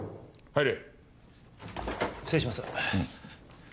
はい。